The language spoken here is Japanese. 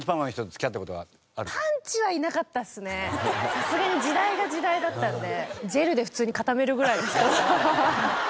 さすがに時代が時代だったんで。